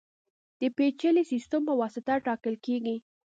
د پېچلي سیستم په واسطه ټاکل کېږي.